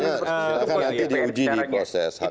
itu yang nanti diuji di proses hak angket